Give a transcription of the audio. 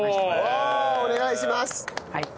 おお！お願いします！